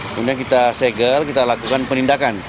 kemudian kita segel kita lakukan penindakan